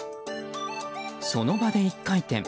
その場で１回転。